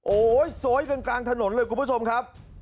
โอ้โหโซ้ยกันกลางถนนเลยคุณผู้ชมครับ